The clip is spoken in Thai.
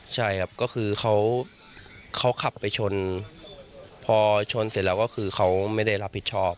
ใช่ครับก็คือเขาขับไปชนพอชนเสร็จแล้วก็คือเขาไม่ได้รับผิดชอบ